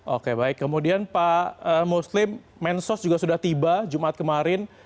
oke baik kemudian pak muslim mensos juga sudah tiba jumat kemarin